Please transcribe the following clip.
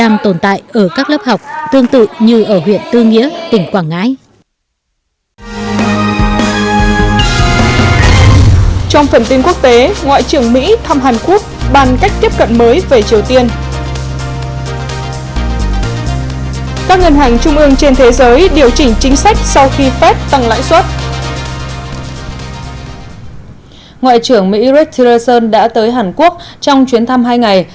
ngoại trưởng mỹ rick tillerson đã tới hàn quốc trong chuyến thăm hai ngày